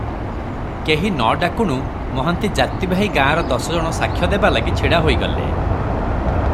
କେହି ନ ଡାକୁଣୁ ମହାନ୍ତି ଜାତିଭାଇ ଗାଁର ଦଶ ଜଣ ସାକ୍ଷ ଦେବା ଲାଗି ଛିଡ଼ା ହୋଇଗଲେ ।